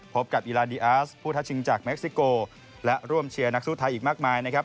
พบกับอีลาดีอาร์สผู้ทัชิงจากเม็กซิโกและร่วมเชียร์นักสู้ไทยอีกมากมายนะครับ